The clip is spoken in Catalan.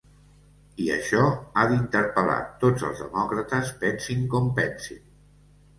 I això ha d’interpel·lar tots els demòcrates pensin com pensin.